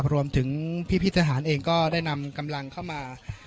รวมถึงพี่ทหารเองก็ได้นำกำลังเข้ามา